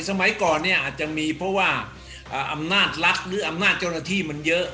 สมัยก่อนเนี่ยอาจจะมีเพราะว่าอำนาจรัฐหรืออำนาจเจ้าหน้าที่มันเยอะ